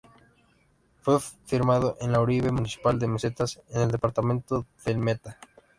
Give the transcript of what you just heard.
Fue firmado en La Uribe, municipio de Mesetas, en el departamento del Meta.